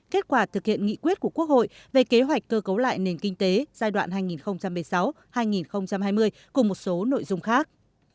kết quả thực hiện nghị quyết của quốc hội về kế hoạch cơ cấu lại nền kinh tế giai đoạn hai nghìn một mươi sáu hai nghìn hai mươi cùng một số nội dung khác